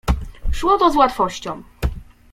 "Szło to z łatwością."